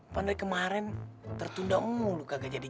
pernah dari kemaren tertunda ungu lo kagak jalanin